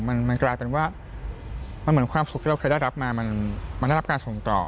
มันกลายเป็นว่ามันเหมือนความสุขที่เราเคยได้รับมามันได้รับการส่งต่อ